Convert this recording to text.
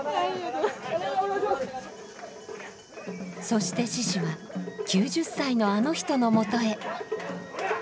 そして獅子は９０歳のあの人のもとへ。